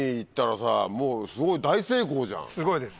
すごいです。